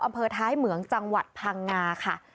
อำเภอท้ายเหมืองจังหวัดพังงาค่ะ